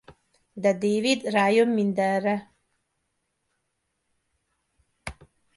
De David rájön mindenre.